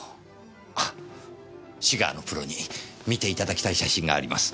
あっシガーのプロに見ていただきたい写真があります。